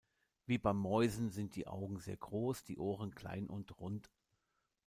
Wie bei Mäusen sind die Augen sehr groß, die Ohren klein und rund.